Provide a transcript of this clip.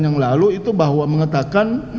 yang lalu itu bahwa mengatakan